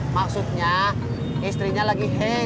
maksudnya istrinya lagi hei